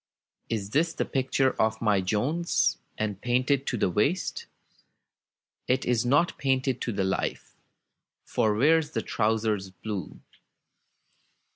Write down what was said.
It is the picture of my Jones, And painted to the waist. It is not painted to the life, For Where's the trousers blue?